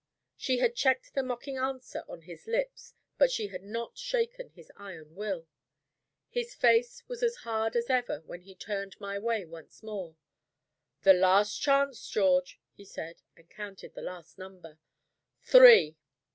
She had checked the mocking answer on his lips, but she had not shaken his iron will. His face was as hard as ever when he turned my way once more. "The last chance, George," he said, and counted the last number: "Three!"